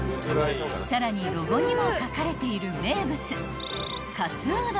［さらにロゴにも書かれている］